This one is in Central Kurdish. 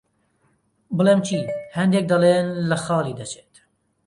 بڵێم چی، هەندێک دەڵێن لە خاڵی دەچێت.